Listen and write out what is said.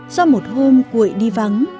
do một hôm quệ đi vắng